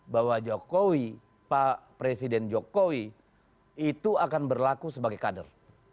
bahwa jokowi pak presiden jokowi itu akan berlaku sebagai kader